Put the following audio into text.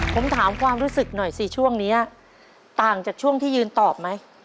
ผมถามความรู้สึกหน่อยสิช่วงนี้ต่างจากช่วงที่ยืนตอบไหม